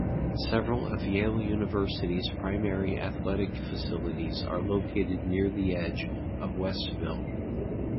Several of Yale University's primary athletic facilities are located near the edge of Westville.